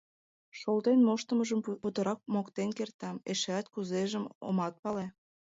Шолтен моштымыжым путырак моктен кертам, эшеат кузежым омат пале.